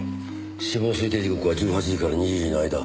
死亡推定時刻は１８時から２０時の間。